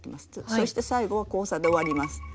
そして最後は交差で終わります。